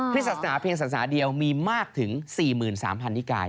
ศาสนาเพียงศาสนาเดียวมีมากถึง๔๓๐๐นิกาย